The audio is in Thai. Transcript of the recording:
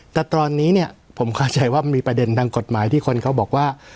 แต่ตอนนี้เนี่ยผมเข้าใจว่ามันมีประเด็นทางกฎหมายที่คนเขาบอกว่า